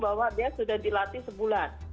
bahwa dia sudah dilatih sebulan